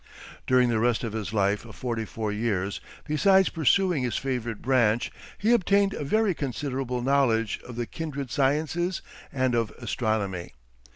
During the rest of his life of forty four years, besides pursuing his favorite branch, he obtained a very considerable knowledge of the kindred sciences and of astronomy.